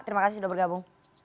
terima kasih sudah bergabung